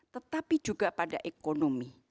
tetapi juga pada ekonomi